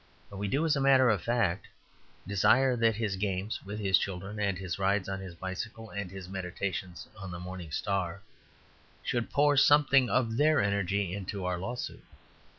But we do, as a matter of fact, desire that his games with his children, and his rides on his bicycle, and his meditations on the morning star should pour something of their energy into our law suit.